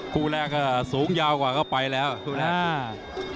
คู่แรกสูงโย้วกว่าก็ไปนะครับ